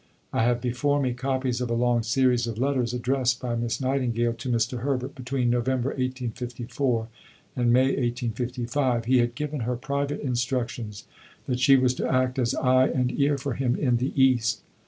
I have before me copies of a long series of letters addressed by Miss Nightingale to Mr. Herbert between November 1854 and May 1855. He had given her private instructions that she was to act as eye and ear for him in the East.